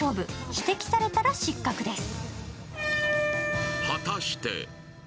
指摘されたら失格です。